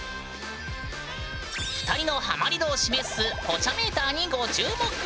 ２人のハマり度を示すポチャメーターにご注目！